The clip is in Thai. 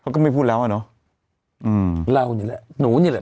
ก็ไม่พูดแล้วอ่ะเนอะอืมเรานี่แหละหนูนี่แหละ